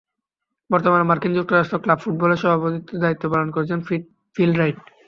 বর্তমানে মার্কিন যুক্তরাষ্ট্র ক্লাব ফুটবলের সভাপতির দায়িত্ব পালন করছেন ফিল রাইট।